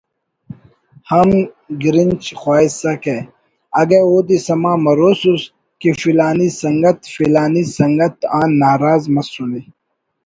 ہم گرنچ خواہسکہ اگہ اودے سما مروسس کہ فلانی سنگت فلانی سنگت آن ناراض مسنے